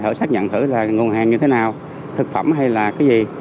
họ xác nhận thử là nguồn hàng như thế nào thực phẩm hay là cái gì